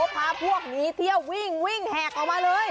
พาพวกหนีเที่ยววิ่งวิ่งแหกออกมาเลย